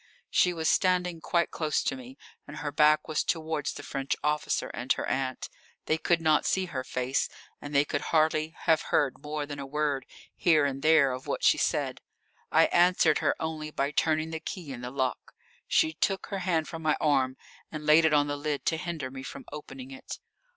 She was standing quite close to me, and her back was towards the French officer and her aunt. They could not see her face, and they could hardly have heard more than a word here and there of what she said. I answered her only by turning the key in the lock. She took her hand from my arm and laid it on the lid to hinder me from opening it.